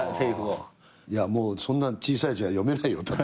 いやもうそんな小さい字は読めないよ